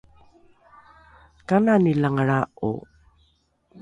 kanani langalra’o?